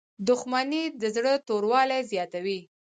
• دښمني د زړه توروالی زیاتوي.